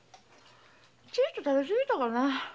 ちょいと食べすぎたかな？